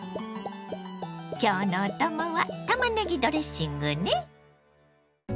今日のお供はたまねぎドレッシングね。